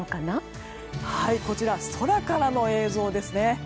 こちら空からの映像ですね。